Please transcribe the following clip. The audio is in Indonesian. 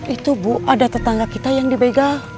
itu bu ada tetangga kita yang dibegal